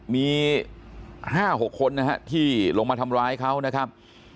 มี๕๖คนนะฮะที่ลงมาทำร้ายเขานะครับ